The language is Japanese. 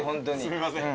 すみません。